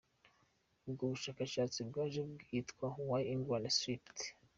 Ubwo bushakashatsi bwaje kwitwa “Why England Slept”.